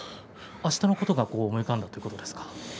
あしたのことが思い浮かんだということですか。